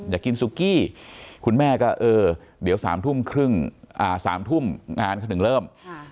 อยากกินซุกี้คุณแม่ก็เออเดี๋ยว๓ทุ่มครึ่ง๓ทุ่มงานเขาถึงเริ่ม